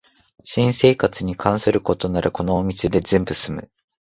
新生活に関することならこのお店で全部すむ